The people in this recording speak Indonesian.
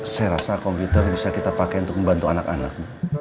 saya rasa komputer bisa kita pakai untuk membantu anak anak